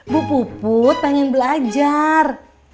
bu puput pengen belajar